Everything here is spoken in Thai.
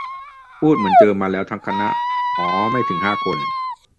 พูดเหมือนเจอมาแล้วทั้งคณะ อ๋อ ไม่ถึงห้าคน